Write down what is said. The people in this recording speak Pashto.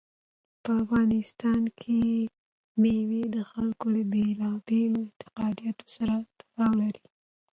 په افغانستان کې مېوې د خلکو له بېلابېلو اعتقاداتو سره تړاو لري.